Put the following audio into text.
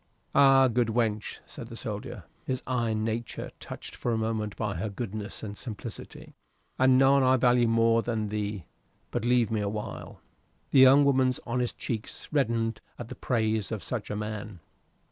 "Ay, good wench," said the soldier, his iron nature touched for a moment by her goodness and simplicity, "and none I value more than thee. But leave me awhile." The young woman's honest cheeks reddened at the praise of such a man.